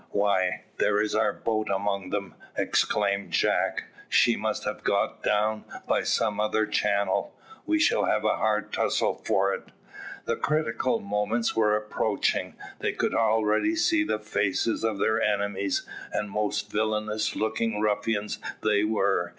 "Why, there is our boat among them," exclaimed Jack; "she must have got down by some other channel. We shall have a hard tussle for it." The critical moment was approaching. They could already see the faces of their enemies, and most villainous looking ruffians they were.